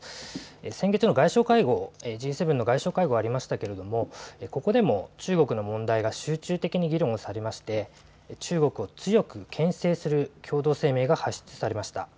先月の外相会合Ｇ７の外相会合がありましたけれどもここでも中国の問題が集中的に議論をされまして中国を強くけん制する共同声明が発出されました。